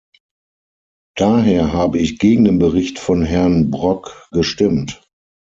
Daher habe ich gegen den Bericht von Herrn Brok gestimmt.